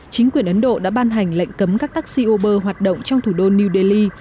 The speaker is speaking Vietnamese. chính quyền ấn độ đã ban hành lệnh cấm các taxi uber hoạt động trong thủ đô new delhi